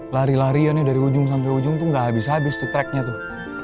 lari larian nih dari ujung sampai ujung tuh gak habis habis tuh tracknya tuh